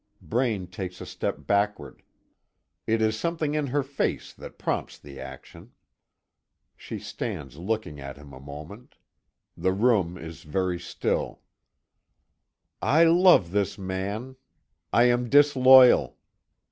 Braine takes a step backward it is something in her face that prompts the action. She stands looking at him a moment. The room is very still: "I love this man. I am disloyal."